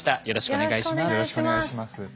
よろしくお願いします。